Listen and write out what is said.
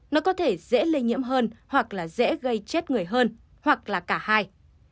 nó có thể dễ lây nhiễm hơn hoặc là dễ gây chết người hơn hoặc là cả hai